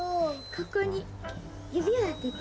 ここに指を当ててみて。